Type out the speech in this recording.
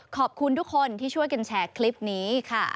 ขอบคุณทุกคนที่ช่วยกันแชร์คลิปนี้ค่ะ